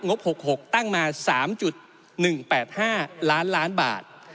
บ๖๖ตั้งมา๓๑๘๕ล้านล้านบาท